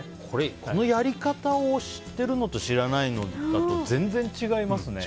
このやり方を知ってるのと知らないのだと全然違いますね。